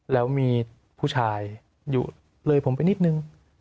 แล้วมีผู้ชายอยู่เลยผมไปนิดนึง